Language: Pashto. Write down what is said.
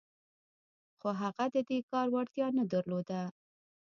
خو هغه د دې کار وړتیا نه درلوده